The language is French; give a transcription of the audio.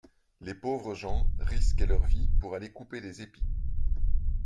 Les pauvres gens risquaient leur vie pour aller couper des épis.